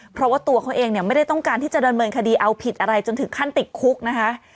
เพราะว่าตัวเขาเองเนี่ยไม่ได้ต้องการที่จะดำเนินคดีเอาผิดอะไรจนถึงขั้นติดคุกนะคะ